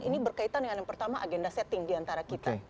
ini berkaitan dengan yang pertama agenda setting diantara kita